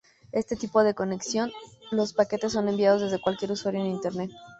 En este tipo de conexión, los paquetes son enviados desde cualquier usuario en Internet.